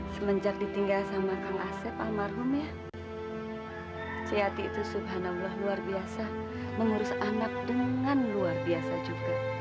semenjak ditinggal sama kang asep almarhum ya sehati itu subhanallah luar biasa mengurus anak dengan luar biasa juga